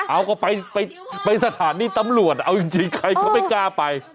เอาก็ไปสถานีตำรวจเอาจริงใครก็ไม่กล้าไป